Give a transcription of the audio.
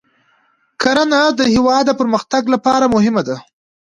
کرنه د هیواد د پرمختګ لپاره مهمه ده.